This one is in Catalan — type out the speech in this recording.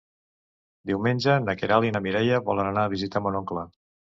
Diumenge na Queralt i na Mireia volen anar a visitar mon oncle.